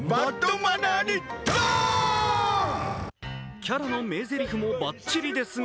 キャラの名ぜりふもばっちりですが